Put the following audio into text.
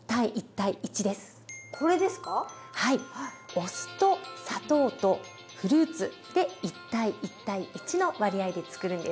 お酢と砂糖とフルーツで１：１：１の割合でつくるんです。